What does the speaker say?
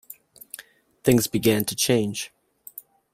Things began to change.